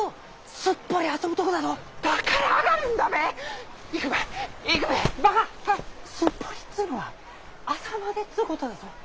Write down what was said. すっぽりっつうのは朝までっつうことだぞ。